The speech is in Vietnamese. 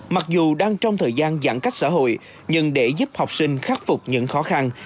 mặc dù đang trong thời gian giãn cách xã hội nhưng để giúp học sinh khắc phục những khó khăn